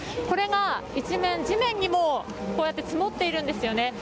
これが一面、地面にも積もっているんですよね。